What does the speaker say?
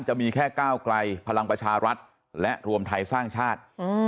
จะมีแค่ก้าวไกลพลังประชารัฐและรวมไทยสร้างชาติ